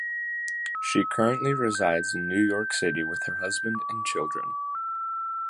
She currently resides in New York City with her husband and children.